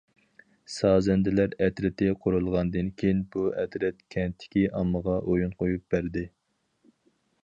سازەندىلەر ئەترىتى قۇرۇلغاندىن كېيىن، بۇ ئەترەت كەنتتىكى ئاممىغا ئويۇن قويۇپ بەردى.